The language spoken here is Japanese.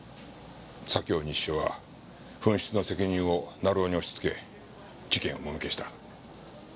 左京西署は紛失の責任を成尾に押しつけ事件をもみ消した。